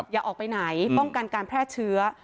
อย่าออกไปไหนป้องกันการแพร่เชื้อ